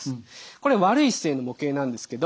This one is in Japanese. これ悪い姿勢の模型なんですけど。